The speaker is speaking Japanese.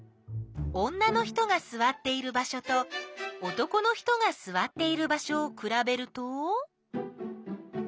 女の人がすわっている場所と男の人がすわっている場所をくらべると。